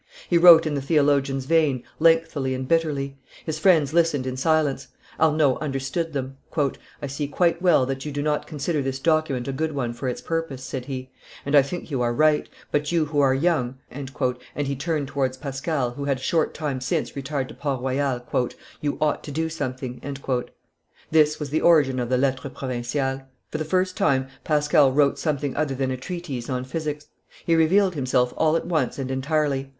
He wrote in the theologian's vein, lengthily and bitterly; his friends listened in silence. Arnauld understood them. "I see quite well that you do not consider this document a good one for its purpose," said he, "and I think you are right; but you who are young," and he turned towards Pascal, who had a short time since retired to Port Royal, "you ought to do something." This was the origin of the Lettres Provinciales. For the first time Pascal wrote, something other than a treatise on physics. He revealed himself all at once and entirely.